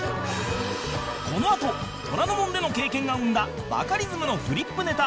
このあと『虎の門』での経験が生んだバカリズムのフリップネタ